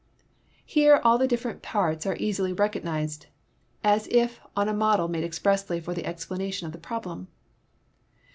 Here all the different parts are easily recognized, as if on a model made expressly for the explanation of the problem.